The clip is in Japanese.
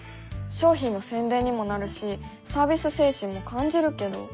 商品の宣伝にもなるしサービス精神も感じるけど。